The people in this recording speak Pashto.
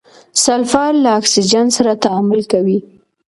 سلفر له اکسیجن سره تعامل کوي.